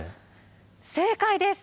正解です。